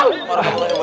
ini ada apa ya